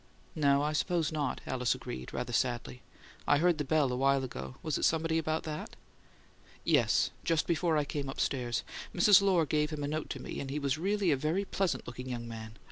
"No, I suppose not," Alice agreed, rather sadly. "I heard the bell awhile ago. Was it somebody about that?" "Yes; just before I came upstairs. Mrs. Lohr gave him a note to me, and he was really a very pleasant looking young man.